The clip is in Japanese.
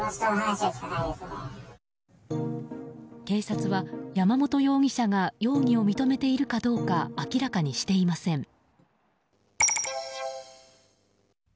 警察は山本容疑者が容疑を認めているかどうか明らかにしていません。